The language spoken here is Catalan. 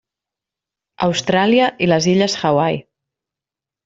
Austràlia i les illes Hawaii.